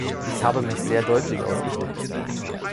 Ich habe mich sehr deutlich ausgedrückt.